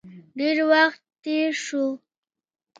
ډیر وخت تیر شو.